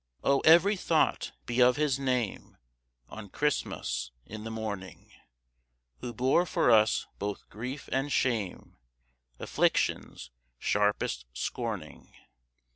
Oh! every thought be of His Name, On Christmas in the morning, Who bore for us both grief and shame, Afflictions sharpest scorning.